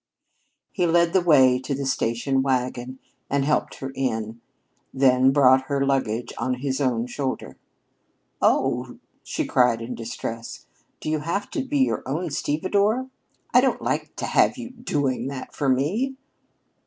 He led the way to the station wagon and helped her in; then brought her luggage on his own shoulder. "Oh," she cried in distress. "Do you have to be your own stevedore? I don't like to have you doing that for me."